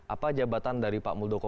apa jabatan dari pak muldoko